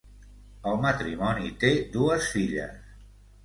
El matrimoni té dues filles.